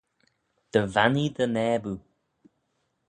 Dy vannee dty naboo.